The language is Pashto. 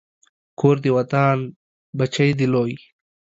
کور دې ودان، بچی دې لوی